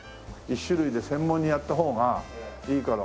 １種類で専門にやった方がいいから。